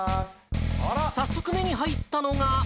早速、目に入ったのが。